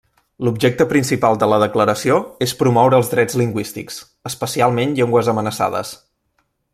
L'objecte principal de la Declaració és promoure els drets lingüístics, especialment llengües amenaçades.